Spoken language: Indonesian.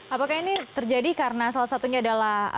apakah ini terjadi karena salah satunya adalah